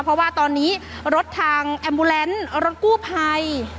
เพราะว่าตอนนี้รถทางแอมมูแลนซ์รถกู้ภัย